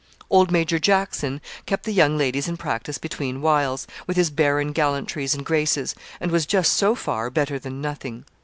Old Major Jackson kept the young ladies in practice between whiles, with his barren gallantries and graces, and was, just so far, better than nothing.